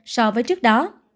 so với trước đó